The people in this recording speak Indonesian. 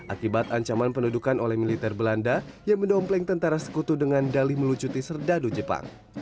akibat ancaman pendudukan oleh militer belanda yang mendompleng tentara sekutu dengan dalih melucuti serdadu jepang